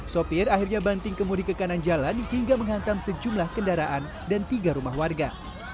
sopir akhirnya banting kemudi ke kanan jalan hingga menghantam sejumlah kendaraan dan tiga rumah warga